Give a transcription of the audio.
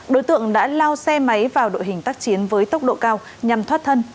đối tượng đã lao xe máy vào đội hình tác chiến với tốc độ cao nhằm thoát thân